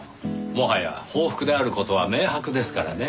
もはや報復である事は明白ですからねぇ。